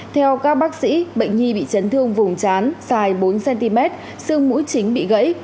theo các bác sĩ bệnh nhi bị chấn thương vùng chán dài bốn cm xương mũi chính bị gãy